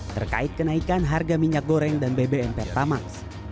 terkait kenaikan harga minyak goreng dan bbm pertamax